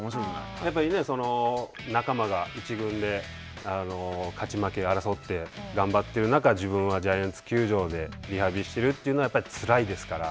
やっぱりね、仲間が１軍で、勝ち負けを争って、頑張っている中、自分はジャイアンツ球場でリハビリしているというのは、やっぱりつらいですから。